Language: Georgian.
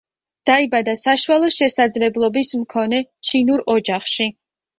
დაიბადა საშუალო შესაძლებლობის მქონე ჩინურ ოჯახში.